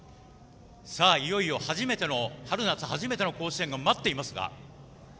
いよいよ春夏初めての甲子園が待っていますが。